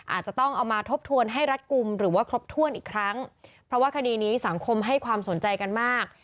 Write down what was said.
อาจจะต้องเอามาทบทวนให้รัดกลุ่มหรือว่าครบถ้วนอีกครั้งเพราะว่าคดีนี้สังคมให้ความสนใจกันมาก